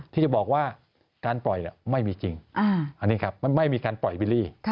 ที่จะบอกว่าการปล่อยไม่มีจริงอันนี้ครับไม่มีการปล่อยบิลลี่